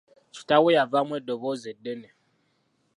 Kitaawe yavaamu eddoboozi eddene.